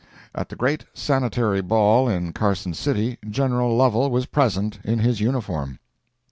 At the great Sanitary Ball in Carson City, General Lovel was present in his uniform.